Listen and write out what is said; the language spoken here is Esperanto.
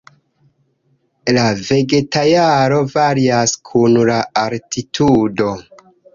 La vegetaĵaro varias kun la altitudo.